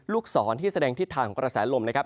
ลูกศรที่แสดงทิศทางของกระแสลมนะครับ